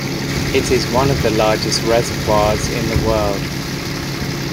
It is one of the largest reservoirs in the world.